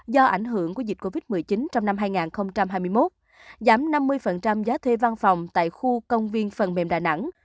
do ảnh hưởng của dịch covid một mươi chín trong năm hai nghìn hai mươi một giảm năm mươi giá thuê văn phòng tại khu công viên phần mềm đà nẵng